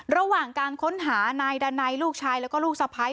ระหว่างการค้นหานายดันัยลูกชายแล้วก็ลูกสะพ้าย